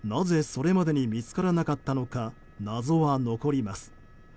それまでに見つからなかったのか謎は残ります。